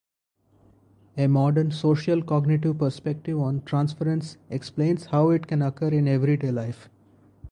A modern, social-cognitive perspective on transference explains how it can occur in everyday life.